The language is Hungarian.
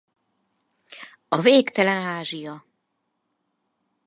A Végtelen Ázsia!